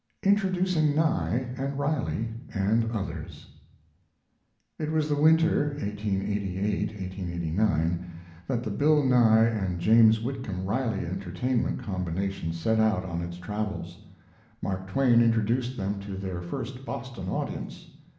INTRODUCING NYE AND RILEY AND OTHERS It was the winter (1888 89) that the Bill Nye and James Whitcomb Riley entertainment combination set out on its travels. Mark Twain introduced them to their first Boston audience.